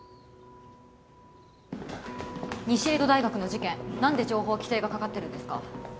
西江戸大学の事件なんで情報規制がかかってるんですか？